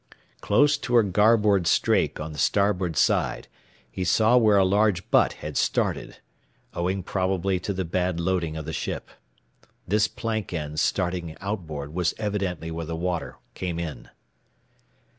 Close to her garboard strake on the starboard side he saw where a large butt had started, owing probably to the bad loading of the ship. This plank end starting outboard was evidently where the water came in.